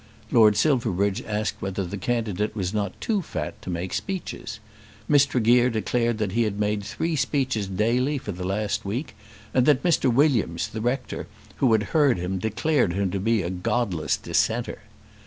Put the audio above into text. Lord Silverbridge asked whether the candidate was not too fat to make speeches. Miss Tregear declared that he had made three speeches daily for the last week, and that Mr. Williams the rector, who had heard him, declared him to be a godless dissenter.